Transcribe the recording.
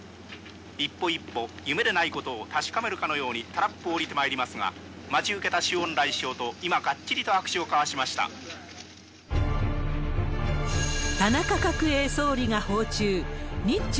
一歩一歩、夢でないことを確かめるかのようにタラップを降りてまいりますが、待ち受けた周恩来外相と、今がっ田中角栄総理が訪中。